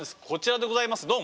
こちらでございます。